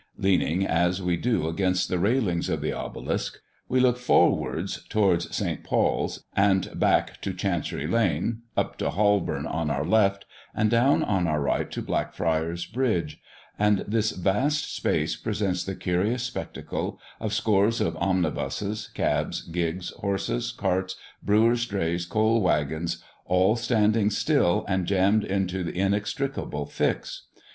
Leaning as we do against the railings of the obelisk, we look forwards towards St. Paul's, and back to Chancery lane, up to Holborn on our left, and down on our right to Blackfriar's bridge; and this vast space presents the curious spectacle of scores of omnibuses, cabs, gigs, horses, carts, brewer's drays, coal waggons, all standing still, and jammed into an inextricable fix.